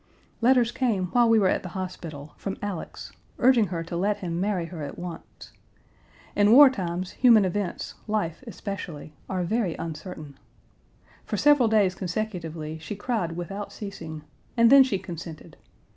"Letters came while we were at the hospital, from Alex, urging her to let him marry her at once. In war times human events, life especially, are very uncertain. "For several days consecutively she cried without ceasing, and then she consented.